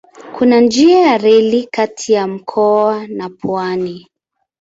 Kuna njia ya reli kati ya mkoa na pwani.